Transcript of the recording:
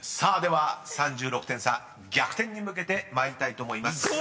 ［では３６点差逆転に向けて参りたいと思います］